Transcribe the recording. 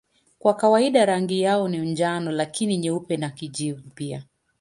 Kwa kawaida rangi yao ni njano lakini nyeupe na kijivu pia.